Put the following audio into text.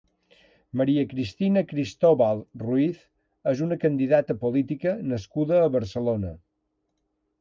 Maria Cristina Cristóbal Ruiz és una candidata política nascuda a Barcelona.